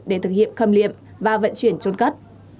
để thực hiện khâm liệm và vận chuyển trôn cất